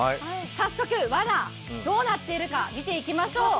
早速、どうなっているのか見ていきましょう。